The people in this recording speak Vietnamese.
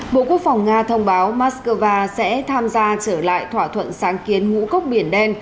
bộ quốc phòng nga thông báo moscow sẽ tham gia trở lại thỏa thuận sáng kiến ngũ cốc biển đen